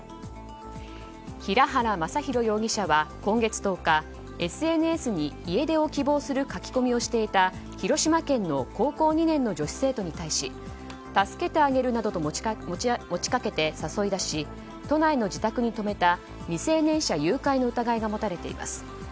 平原匡浩容疑者は今月１０日ＳＮＳに家出を希望する書き込みをしていた広島県の高校２年の女子生徒に対し助けてあげるなどと持ち掛けて誘い出し都内の自宅に止めた未成年者誘拐の疑いが持たれています。